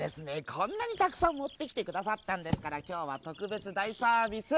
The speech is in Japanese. こんなにたくさんもってきてくださったんですからきょうはとくべつだいサービス。